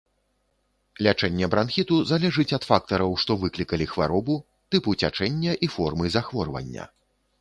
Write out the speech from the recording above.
Лячэнне бранхіту залежыць ад фактараў, што выклікалі хваробу, тыпу цячэння і формы захворвання.